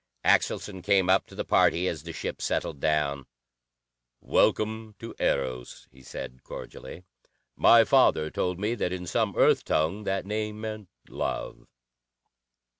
Axelson came up to the party as the ship settled down. "Welcome to Eros," he said cordially. "My father told me that in some Earth tongue that name meant 'love'."